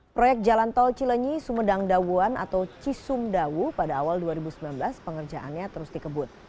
proyek jalan tol cilenyi sumedang dawuan atau cisumdawu pada awal dua ribu sembilan belas pengerjaannya terus dikebut